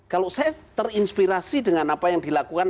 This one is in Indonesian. kalau saya terinspirasi dengan apa yang dilakukan